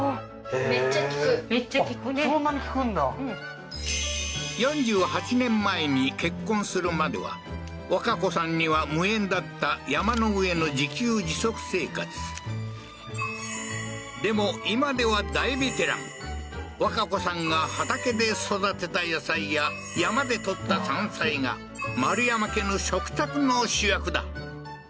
めっちゃ効くね４８年前に結婚するまでは和日子さんには無縁だった山の上の自給自足生活でも今では大ベテラン和日子さんが畑で育てた野菜や山で採った山菜が丸山家の食卓の主役だ